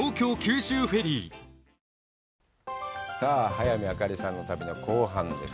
早見あかりさんの旅の後半です。